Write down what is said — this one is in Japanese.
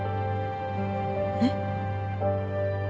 えっ？